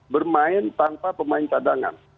bermain tanpa pemain kadangan